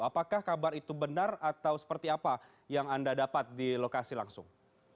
apakah kabar itu benar atau seperti apa yang anda dapat di lokasi langsung